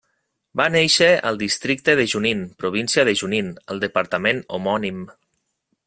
Va néixer al districte de Junín, província de Junín, al departament homònim.